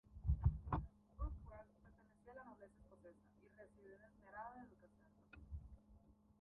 Urquhart pertenecía a la nobleza escocesa, y recibió una esmerada educación.